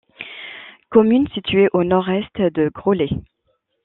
Commune située au nord-est de Graulhet.